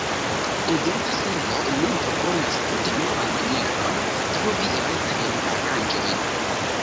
Eventa Servo nun proponas tute novan manieron trovi retajn aranĝojn.